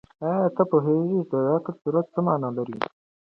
آیا ته پوهېږې چې د علق سورت څه مانا لري؟